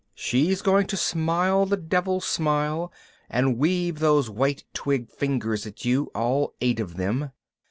She's going to smile the devil smile and weave those white twig fingers at you, all eight of them.